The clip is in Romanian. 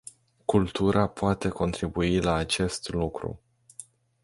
Cultura poate contribui la acest lucru.